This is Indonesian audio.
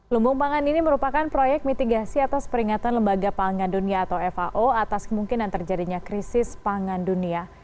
lumbung pangan ini merupakan proyek mitigasi atas peringatan lembaga pangan dunia atau fao atas kemungkinan terjadinya krisis pangan dunia